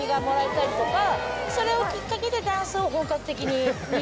それをきっかけで。